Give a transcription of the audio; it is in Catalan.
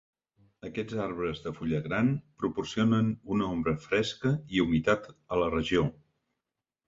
Aquests arbres de fulla gran proporcionen una ombra fresca i humitat a la regió.